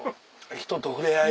人と触れ合い。